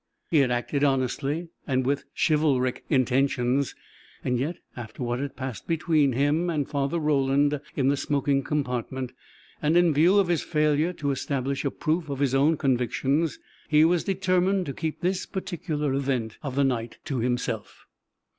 He had acted honestly and with chivalric intentions. And yet, after what had passed between him and Father Roland in the smoking compartment and in view of his failure to establish a proof of his own convictions he was determined to keep this particular event of the night to himself.